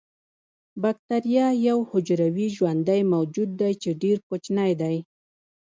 باکتریا یو حجروي ژوندی موجود دی چې ډیر کوچنی دی